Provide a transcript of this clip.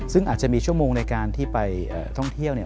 ซึ่งอาจจะมีชั่วโมงในการที่ไปท่องเที่ยว